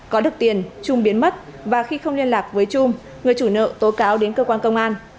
có được tiền chung biến mất và khi không liên lạc với trung người chủ nợ tố cáo đến cơ quan công an